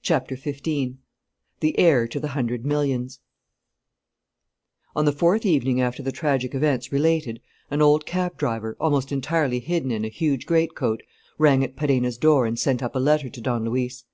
CHAPTER FIFTEEN THE HEIR TO THE HUNDRED MILLIONS On the fourth evening after the tragic events related, an old cab driver, almost entirely hidden in a huge great coat, rang at Perenna's door and sent up a letter to Don Luis.